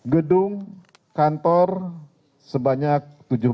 gedung kantor sebanyak tujuh puluh